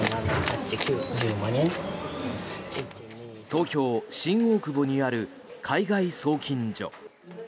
東京・新大久保にある海外送金所。